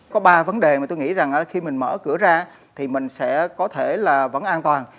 có ba vấn đề mà tôi nghĩ rằng khi mình mở cửa ra thì mình sẽ có thể là vẫn an toàn